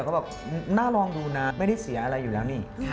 เขาบอกน่าลองดูนะไม่ได้เสียอะไรอยู่แล้วนี่